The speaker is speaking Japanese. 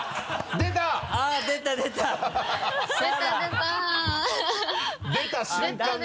出た瞬間の。